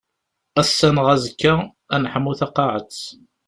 Ass-a neɣ azekka ad neḥmu taqaɛet.